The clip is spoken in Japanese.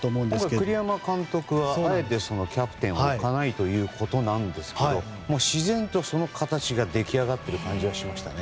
栗山監督はあえてキャプテンを置かないということなんですが自然とその形が出来上がってる感じがしましたね。